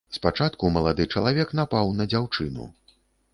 Спачатку малады чалавек напаў на дзяўчыну.